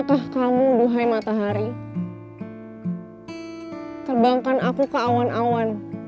sampai jumpa di video selanjutnya